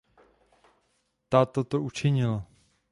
Ta toto učinila.